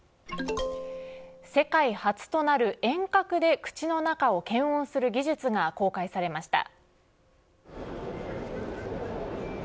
世界初となる遠隔で口の中を検温する技術が公開されました。